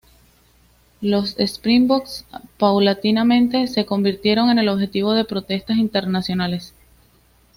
Los Springboks paulatinamente se convirtieron en el objetivo de protestas internacionales.